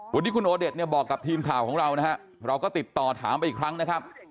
วันนี้คุณโอเดชเนี่ยบอกกับทีมข่าวของเรานะฮะเราก็ติดต่อถามไปอีกครั้งนะครับ